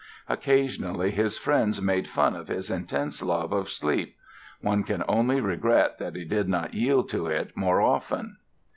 Occasionally his friends made fun of his intense love of sleep. One can only regret that he did not yield to it more often!